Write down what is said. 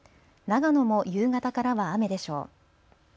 長野も夕方からは雨でしょう。